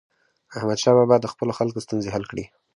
احمدشاه بابا د خپلو خلکو ستونزې حل کړي.